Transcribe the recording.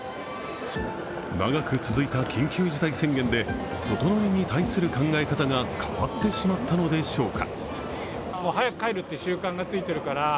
長く続いた緊急事態宣言で外飲みに対する考え方が変わってしまったのでしょうか。